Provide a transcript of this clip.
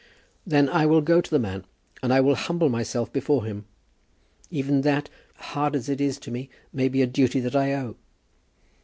"Then I will go to the man, and will humble myself before him. Even that, hard as it is to me, may be a duty that I owe."